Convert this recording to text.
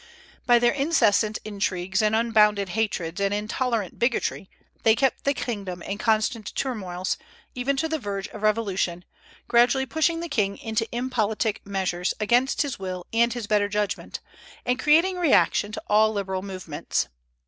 By their incessant intrigues and unbounded hatreds and intolerant bigotry, they kept the kingdom in constant turmoils, even to the verge of revolution, gradually pushing the king into impolitic measures, against his will and his better judgment, and creating a reaction to all liberal movements.